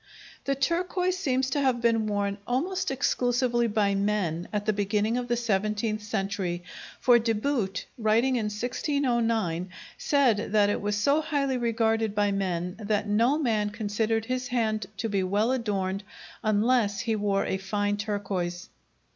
The turquoise seems to have been worn almost exclusively by men at the beginning of the seventeenth century, for De Boot, writing in 1609, said that it was so highly regarded by men that no man considered his hand to be well adorned unless he wore a fine turquoise.